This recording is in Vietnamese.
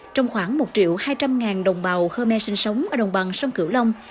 trong khoảng một triệu hai trăm linh ngàn đồng bào khmer sinh sống ở đồng bằng sông cửu long